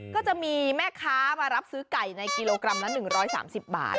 ก็จะมีแม่ค้ามารับซื้อไก่ในกิโลกรัมละ๑๓๐บาท